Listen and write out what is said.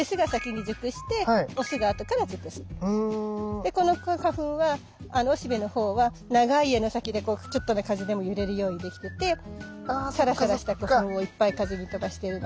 でこの花粉はおしべのほうは長い柄の先でちょっとの風でも揺れるようにできててサラサラした花粉をいっぱい風に飛ばしてるの。